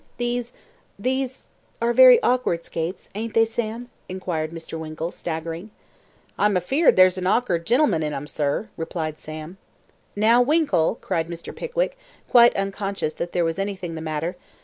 "These these are very awkward skates; ain't they, Sam?" inquired Mr. Winkle, staggering. "I'm afeerd there's an orkard gen'lm'n in 'em, sir," replied Sam. "Now, Winkle," cried Mr. Pickwick, quite unconscious that there was anything the matter.